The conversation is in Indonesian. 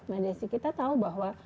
mbak desi kita tahu bahwa